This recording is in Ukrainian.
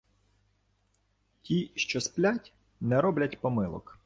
Ті, що сплять, не роблять помилок.